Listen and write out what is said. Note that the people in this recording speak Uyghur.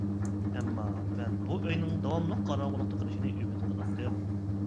ئەمما مەن بۇ ئۆينىڭ داۋاملىق قاراڭغۇلۇقتا قېلىشىنى ئۈمىد قىلاتتىم.